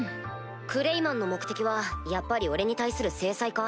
クレイマンの目的はやっぱり俺に対する制裁か？